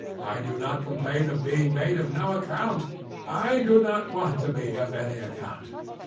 I do not complain of being made of no account. I do not want to be of any account.